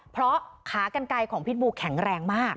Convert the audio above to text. เพราะขากันไกลของพิษบูแข็งแรงมาก